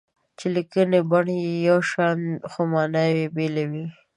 چې لیکني بڼه یې یو شان خو ماناوې یې بېلې وي.